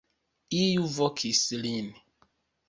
Iu vokis lin.